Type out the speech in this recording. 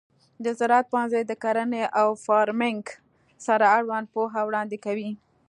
د زراعت پوهنځی د کرنې او فارمینګ سره اړوند پوهه وړاندې کوي.